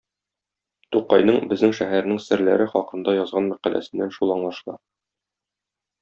Тукайның "Безнең шәһәрнең серләре" хакында язган мәкаләсеннән шул аңлашыла.